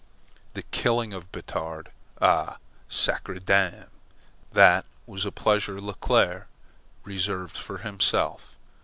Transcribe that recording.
The killing of Batard ah, SACREDAM, THAT was a pleasure Leclere reserved for himself.